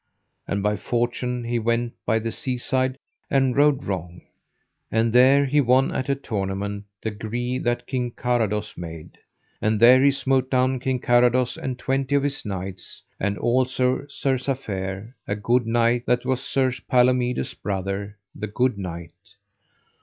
And by fortune he went by the seaside, and rode wrong. And there he won at a tournament the gree that King Carados made. And there he smote down King Carados and twenty of his knights, and also Sir Safere, a good knight that was Sir Palomides' brother, the good knight.